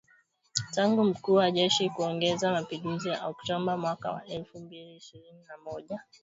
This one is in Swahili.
tangu mkuu wa jeshi kuongoza mapinduzi ya Oktoba mwaka wa elfu mbili ishirini na moja.